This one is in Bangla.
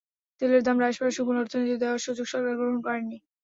তেলের দাম হ্রাস পাওয়ার সুফল অর্থনীতিতে দেওয়ার সুযোগ সরকার গ্রহণ করেনি।